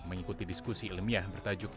mengikuti diskusi ilmiah bertajuk